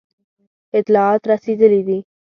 اطلاعات رسېدلي دي.